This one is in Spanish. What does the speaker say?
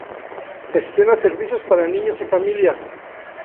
Gestiona servicios para niños y familias.